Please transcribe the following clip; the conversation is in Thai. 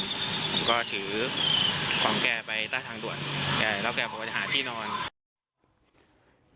ผมก็ถือของแกไปใต้ทางด่วนแกแล้วแกบอกว่าจะหาที่นอน